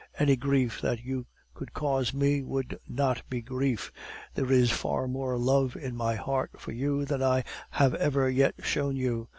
Any grief that you could cause me would not be grief. There is far more love in my heart for you than I have ever yet shown you.